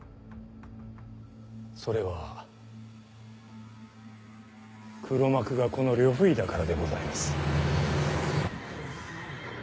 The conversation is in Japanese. それは黒幕がこの呂不韋だからでございます。